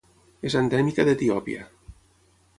És endèmica d'Etiòpia.